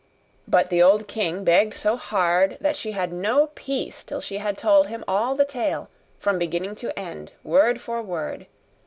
But the old king begged so hard, that she had no peace till she had told him all the tale, from beginning to end, word for word.